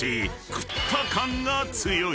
［食った感が強い］